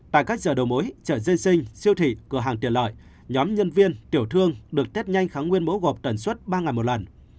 tại các giờ đầu mối chợ dân sinh siêu thị cửa hàng tiền lợi nhóm nhân viên tiểu thương được tết nhanh kháng nguyên mẫu gộp tần suốt ba ngày một lần